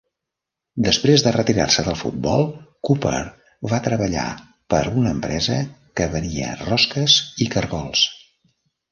Després de retirar-se del futbol, Cooper va treballar per a una empresa que venia rosques i cargols.